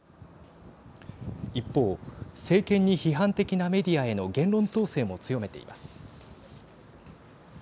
一方政権に批判的なメディアへの言論統制も強めています。